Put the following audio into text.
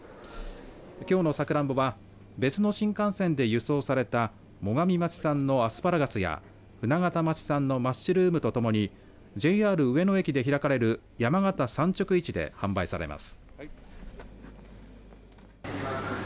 きょうのさくらんぼは別の新幹線で輸送された最上町産のアスパラガスや舟形町産のマッシュルームとともにＪＲ上野駅で開かれる山形産直市で販売されます。